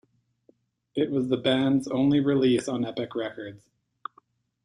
It was the band's only release on Epic Records.